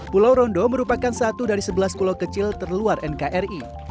pulau rondo merupakan satu dari sebelas pulau kecil terluar nkri